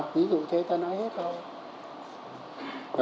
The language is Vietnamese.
ví dụ thế ta nói hết rồi